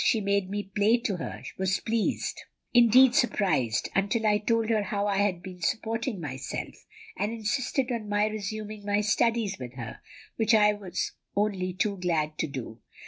She made me play to her, was pleased, indeed surprised, until I told her how I had been supporting myself, and insisted on my resuming my studies with her, which I was only too glad to do.